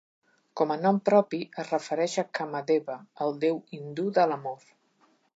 Com a nom propi, es refereix a Kamadeva, el déu hindú de l'amor.